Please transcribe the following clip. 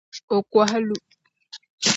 O kɔhi lu